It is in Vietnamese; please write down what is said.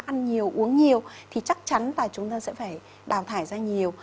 ăn nhiều uống nhiều thì chắc chắn là chúng ta sẽ phải đào thải ra nhiều